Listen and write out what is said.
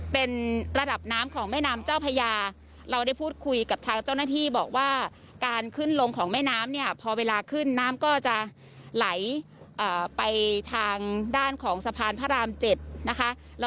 เป็นระดับน้ำของแม่น้ำเจ้าพญาเราได้พูดคุยกับทางเจ้าหน้าที่บอกว่าการขึ้นลงของแม่น้ำเนี่ยพอเวลาขึ้นน้ำก็จะไหลไปทางด้านของสะพานพระราม๗นะคะ